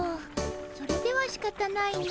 それではしかたないの。